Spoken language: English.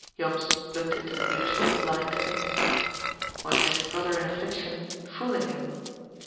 > Jops looked into the beautiful, blind face. Was this brother in affliction fooling him